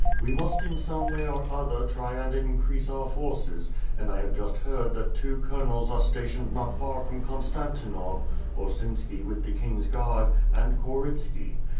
We must, in some way or other, try and increase our forces; and I have just heard that two colonels are sta tioned not far from Konstantinov, Osinski with the king's guard, and Korytski.